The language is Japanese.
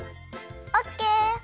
オッケー！